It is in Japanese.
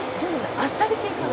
あっさり系かな？」